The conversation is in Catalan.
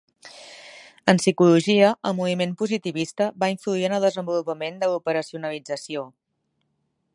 En psicologia, el moviment positivista va influir en el desenvolupament de l'operacionalització.